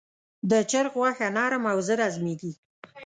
د چرګ غوښه نرم او ژر هضمېږي.